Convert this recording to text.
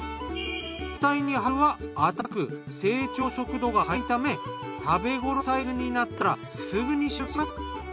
反対に春は暖かく成長速度が速いため食べごろサイズになったらすぐに収穫します。